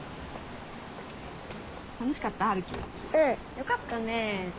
よかったね。